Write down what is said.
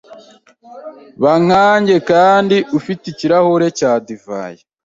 Ba nkanjye kandi ufite ikirahure cya divayi.